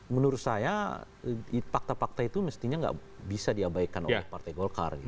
menurut saya fakta fakta itu mestinya nggak bisa diabaikan oleh partai golkar